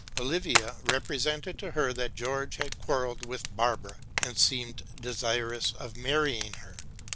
Olivia represented to her that George had quarrelled with Barbara, and seemed desirous of marrying her.